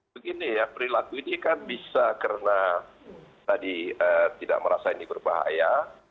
begini ya perilaku ini kan bisa karena tadi tidak merasa ini berbahaya